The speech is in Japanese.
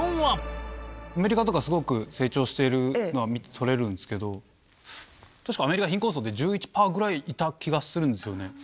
アメリカとかすごく成長してるのは見て取れるんですけど、確かアメリカ、貧困層って１１パーぐらいいた気がするんですよね。